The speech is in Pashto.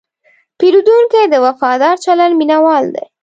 پیرودونکی د وفادار چلند مینهوال دی.